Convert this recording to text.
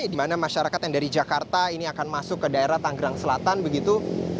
di mana masyarakat yang dari jakarta ini akan masuk ke daerah tanggerang selatan begitu